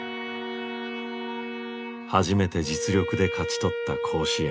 初めて実力で勝ち取った甲子園。